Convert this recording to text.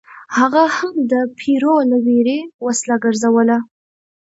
هغه هم د پیرو له ویرې وسله ګرځوله.